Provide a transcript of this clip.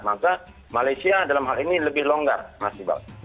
maka malaysia dalam hal ini lebih longgar masih banget